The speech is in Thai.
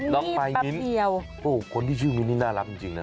น้องปลายมิ้นโอ้โฮคนที่ชื่อนี้น่ารักจริงน่ะ